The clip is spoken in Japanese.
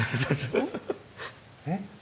えっ？